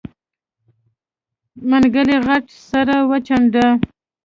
منګلي غټ سر وڅنډه.